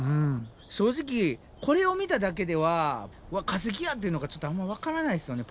正直これを見ただけでは「わっ化石や！」っていうのがちょっとあんま分からないですよね